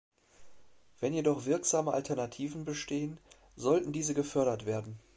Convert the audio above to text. Wenn jedoch wirksame Alternativen bestehen, sollten diese gefördert werden.